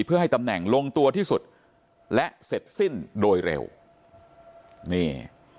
เพื่อให้ตำแหน่งลงตัวที่สุดและเสร็จสิ้นโดยเร็วนี่